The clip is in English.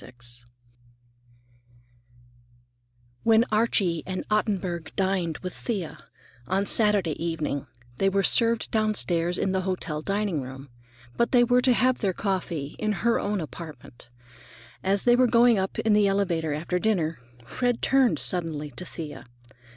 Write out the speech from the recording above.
IX When Archie and Ottenburg dined with Thea on Saturday evening, they were served downstairs in the hotel dining room, but they were to have their coffee in her own apartment. As they were going up in the elevator after dinner, Fred turned suddenly to Thea.